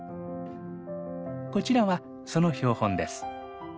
こちらはその標本です。